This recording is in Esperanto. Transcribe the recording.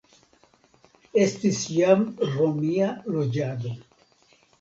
Estis jam romia loĝado.